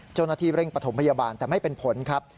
เจ้าหน้าที่เร่งปฐมพยาบาลแต่ไม่เป็นผลครับ